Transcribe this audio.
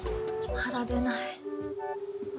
まだ出ない。